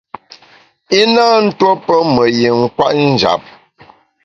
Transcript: I na tuo pe me yin kwet njap.